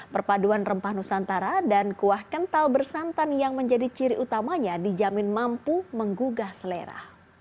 perpaduan rempah nusantara dan kuah kental bersantan yang menjadi ciri utamanya dijamin mampu menggugah selera